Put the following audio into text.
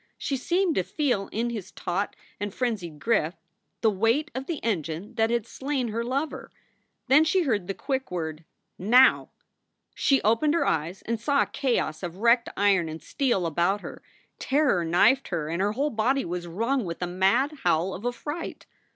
She seemed to feel in his taut and frenzied grip the weight of the engine that had slain her lover. Then she heard the quick word, Now ! She opened her eyes and saw a chaos of wrecked iron and steel about her. Terror knifed her and her whole body was wrung with a mad howl of affright.